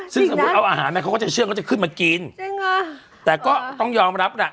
ซึ่งสมมุติเอาอาหารมาเขาก็จะเชื่องก็จะขึ้นมากินจริงแต่ก็ต้องยอมรับแหละ